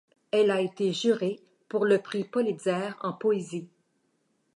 Elle a été juré pour le prix Pulitzer en poésie.